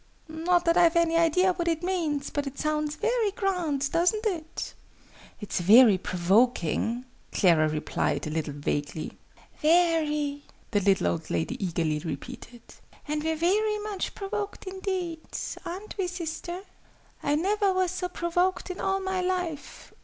Not that I've any idea what it means, but it sounds very grand, doesn't it?" "It's very provoking," Clara replied, a little vaguely. "Very!" the little old lady eagerly repeated. "And we're very much provoked indeed. Aren't we, sister?" "I never was so provoked in all my life!"